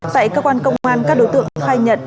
tại cơ quan công an các đối tượng khai nhận